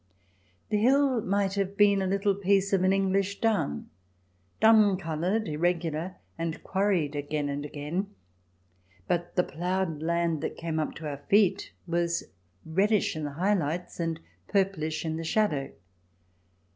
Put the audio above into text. The hill might have been a little piece of an English down, dun coloured, irregular, and quarried again and again. But the ploughed land that came up to our feet was reddish in the high lights and purplish in the shadow.